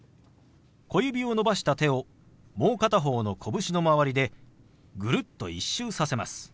小指を伸ばした手をもう片方の拳の周りでぐるっと１周させます。